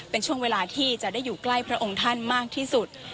เป็นช่วงเวลาที่จะได้อยู่ใกล้พระองค์ท่านมากที่สุด